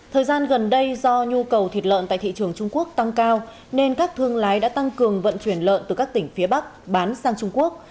thời gian gần đây do nhu cầu thịt lợn tại thị trường trung quốc tăng cao nên các thương lái đã tăng cường vận chuyển lợn từ các tỉnh phía bắc bán sang trung quốc